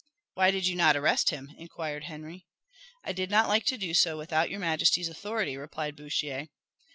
"Why did you not arrest him?" inquired Henry. "I did not like to do so without your majesty's authority," replied Bouchier.